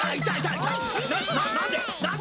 ななんで？